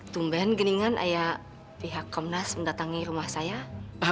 tumben geningan ayah pihak komnas mendatangi rumah saya